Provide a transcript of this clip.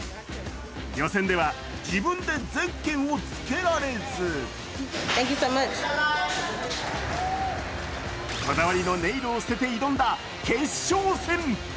予選では自分でゼッケンをつけられずこだわりのネイルを捨てて挑んだ決勝戦。